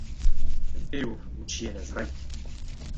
Ehun gutxienez, bai.